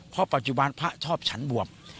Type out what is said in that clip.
เพราะปัจจุบันพระชอบฉันบวบ